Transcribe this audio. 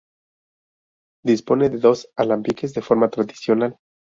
Dispone de dos alambiques de forma tradicional.